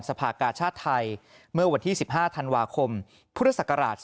สภากาชาติไทยเมื่อวันที่๑๕ธันวาคมพศ๒๕๖๕